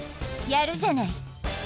やるじゃない。